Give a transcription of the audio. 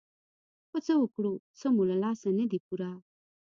خو څه وکړو څه مو له لاسه نه دي پوره.